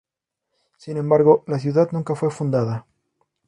Sin embargo, la ciudad nunca fue fundada.